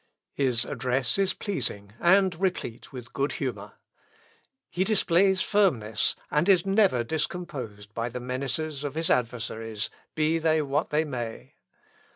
His address is pleasing, and replete with good humour. He displays firmness, and is never discomposed by the menaces of his adversaries, be they what they may.